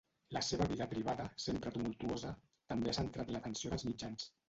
La seva vida privada, sempre tumultuosa, també ha centrat l'atenció dels mitjans.